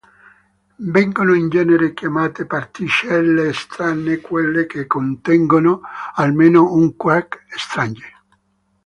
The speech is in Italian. Vengono in genere chiamate particelle strane quelle che contengono almeno un quark strange.